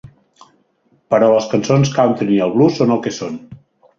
Però les cançons country i el blues són el que són.